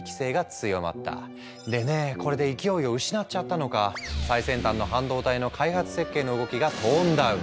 でねこれで勢いを失っちゃったのか最先端の半導体の開発設計の動きがトーンダウン。